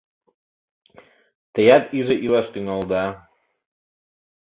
Теат иже илаш тӱҥалыда...